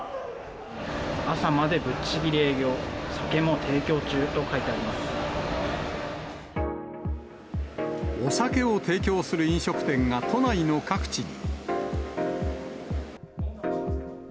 朝までぶっちきり営業、お酒を提供する飲食店が都内の各地に。